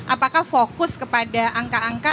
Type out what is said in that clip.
apakah fokus kepada angka angka